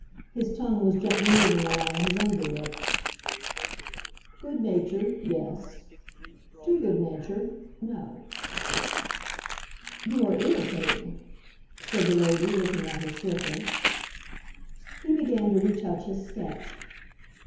His tongue was gently moving along his under lip. "Good natured—yes. Too good natured—no." "You are irritating," said the lady, looking at her slipper. He began to retouch his sketch.